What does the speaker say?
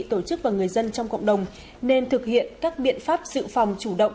tổ chức và người dân trong cộng đồng nên thực hiện các biện pháp dự phòng chủ động